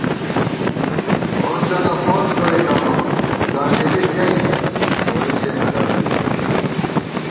خوندَنہ خوند گوئیک امہ، ځوانېلِک گئ نوری سے نہ درُوئی